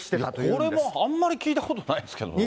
これもあんまり聞いたことないですけど。